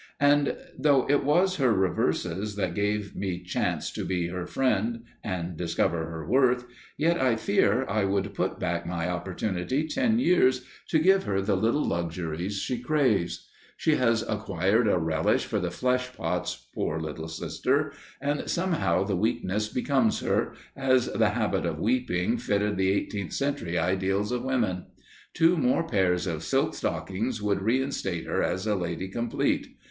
And though it was her reverses that gave me chance to be her friend and discover her worth, yet I fear I would put back my opportunity ten years to give her the little luxuries she craves. She has acquired a relish for the flesh pots, poor Little Sister, and somehow the weakness becomes her, as the habit of weeping fitted the eighteenth century ideals of women. Two more pairs of silk stockings would reinstate her as a lady complete.